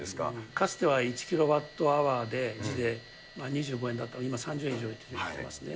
かつては１キロワットアワーで２５円だったのが、今３０円以上いってますね。